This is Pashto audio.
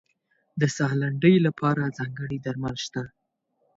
د ساه لنډۍ لپاره ځانګړي درمل شته.